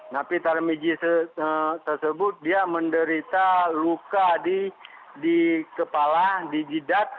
napi tarmiji tersebut dia menderita luka di kepala di jidat